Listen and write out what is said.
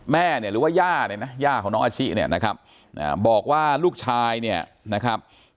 แม่หรือว่าย่าของน้องอาชี้เนี่ยนะครับบอกว่าลูกชายเนี่ยนะครับ